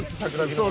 そう。